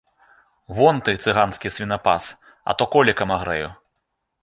Вон ты, цыганскі свінапас, а то колікам агрэю.